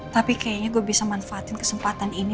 tapi kayaknya gue bisa manfaatin kesempatan ini